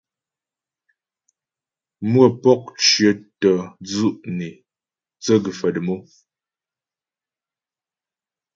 Mmwə̌pɔk cwətyə́ dzʉ' nè dzə̂ gə̀faə̀ dəm o.